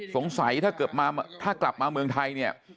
สงสัยถ้ากลับมาเมืองไทยเนี่ย